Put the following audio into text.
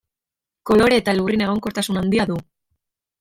Kolore eta lurrin egonkortasun handia du.